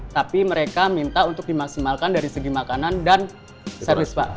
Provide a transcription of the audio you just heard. tapi mereka minta untuk dimaksimalkan dari segi makanan dan serles pak